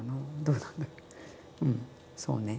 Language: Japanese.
うんそうね。